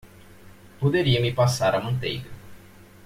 Poderia me passar a manteiga.